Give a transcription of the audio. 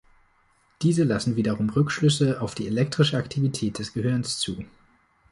Diese lassen wiederum Rückschlüsse auf die elektrische Aktivität des Gehirns zu.